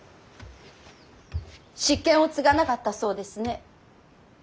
執権を継がなかったそうですね。